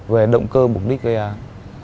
về động cơ mục đích gây án